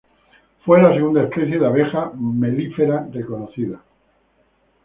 Fue la segunda especie de abeja melífera reconocida.